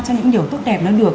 cho những điều tốt đẹp nó được